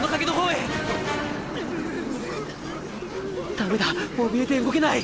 ダメだおびえて動けない！